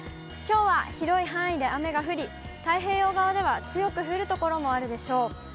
きょうは広い範囲で雨が降り、太平洋側では強く降る所もあるでしょう。